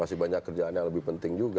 masih banyak kerjaan yang lebih penting juga